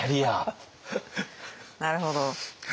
なるほど。